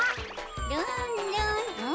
ルンルンうん？